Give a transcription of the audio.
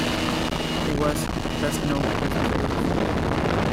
He was best known for his plays.